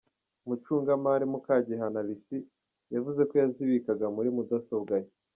Umucungamari, Mukagihana Lucie, yavuze ko yazibikaga muri mudasobwa ye.